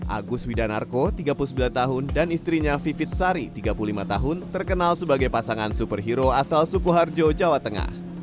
agus widanarko tiga puluh sembilan tahun dan istrinya vivit sari tiga puluh lima tahun terkenal sebagai pasangan superhero asal sukoharjo jawa tengah